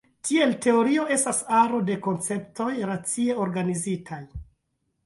Tiel teorio estas aro de konceptoj racie organizitaj.